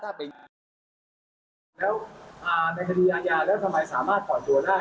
แล้วในคดีอาญาแล้วทำไมสามารถปล่อยตัวได้